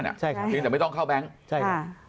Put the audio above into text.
ใช่ค่ะใช่ค่ะคือจะไม่ต้องเข้าแบงค์ใช่ค่ะ